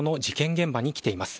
現場に来ています。